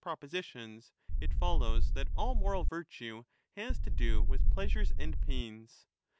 4 I22I*' propositions ^ it follows that all moral virtue has to do with 1 pleasures and pains.